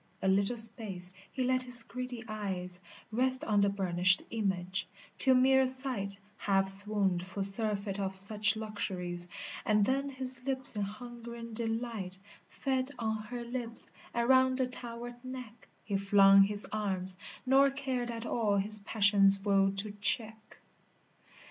] A little space he let his greedy eyes Rest on the burnished image, till mere sight Xlalf swooned for surfeit of such luxuries, And then his lips in hungering delight Ted on her lips, and round the towered neck He flung his arms, nor cared at all his passion's will to check.